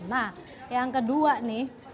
nah yang kedua nih